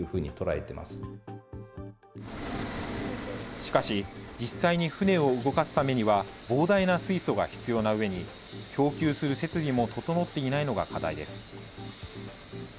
しかし、実際に船を動かすためには、膨大な水素が必要なうえに、供給する設備も整っていないのが課題です。